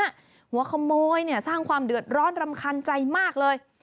หัวขโมยเนี่ยสร้างความเดือดร้อนรำคาญใจมากเลย